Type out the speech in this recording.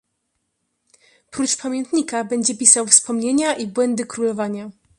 "Prócz pamiętnika będzie pisał wspomnienia i błędy królowania."